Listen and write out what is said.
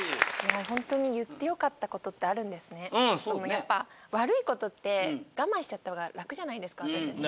やっぱ悪い事って我慢しちゃった方が楽じゃないですか私たち。